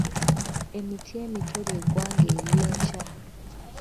Emiti emito ly’eggwanga ery'enkya.